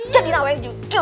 jadi rawet juga